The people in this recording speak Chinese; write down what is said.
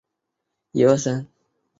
获奖作品与获奖者以粗体字显示。